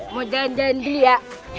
mau jalan jalan dulu ya